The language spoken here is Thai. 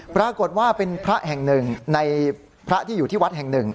ปรากฏว่าเป็นพระที่อยู่ที่วัดแห่งหนึ่ง